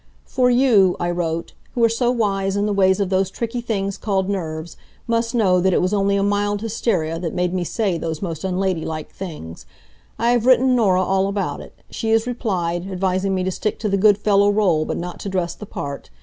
"For you," I wrote, "who are so wise in the ways of those tricky things called nerves, must know that it was only a mild hysteria that made me say those most unladylike things. I have written Norah all about it. She has replied, advising me to stick to the good fellow role but not to dress the part.